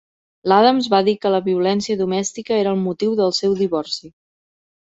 L"Adams va dir que la violència domèstica era el motiu del seu divorci.